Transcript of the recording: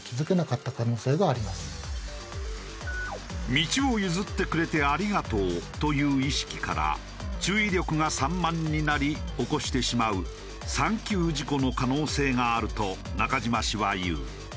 道を譲ってくれてありがとうという意識から注意力が散漫になり起こしてしまうサンキュー事故の可能性があると中島氏は言う。